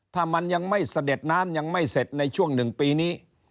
ถ้ามันยังไม่เสด็จน้ำยังไม่เสร็จในช่วง๑ปีนี้